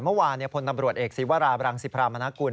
เมื่อวานพลตำรวจเอกศีวราบรังสิพรามนากุล